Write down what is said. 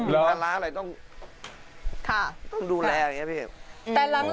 แล้วแล้วอะไรต้องต้องดูแลอย่างนี้พี่